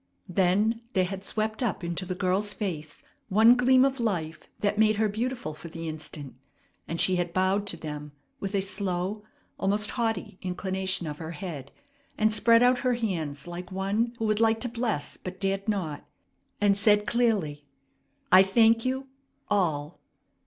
Then there had swept up into the girl's face one gleam of life that made her beautiful for the instant, and she had bowed to them with a slow, almost haughty, inclination of her head, and spread out her hands like one who would like to bless but dared not, and said clearly, "I thank you all!"